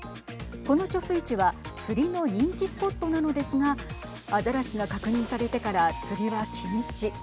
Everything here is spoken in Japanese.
この貯水池は釣りの人気スポットなのですがあざらしが確認されてから釣りは禁止。